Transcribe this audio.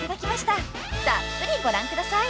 ［たっぷりご覧ください］